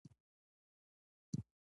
بي بي عائشه رض د مسلمانانو مور ده